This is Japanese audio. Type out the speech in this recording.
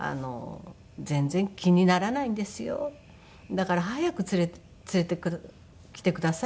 「だから早く連れてきてください」って。